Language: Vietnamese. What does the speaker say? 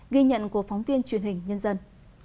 ghi nhận của phóng viên truyền hình nhân dân